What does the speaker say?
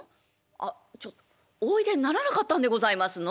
あちょっおいでにならなかったんでございますの？」。